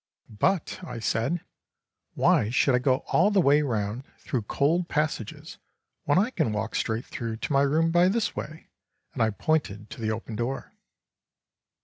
"But," I said, "why should I go all the way round, through cold passages, when I can walk straight through to my room by this way?" and I pointed to the open door.